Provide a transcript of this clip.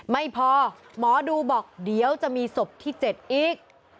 ไม่พอหมอดูบอกเดี๋ยวจะมีศพที่๗อีก